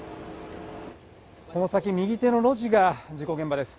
この先、右手の路地が事故現場です。